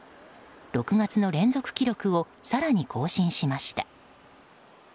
６月の連続記録を更に更新しました。